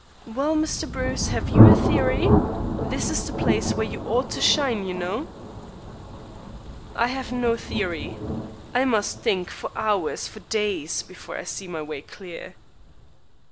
"Well, Mr. Bruce, have you a theory? This is the place where you ought to shine, you know." "I have no theory. I must think for hours, for days, before I see my way clear."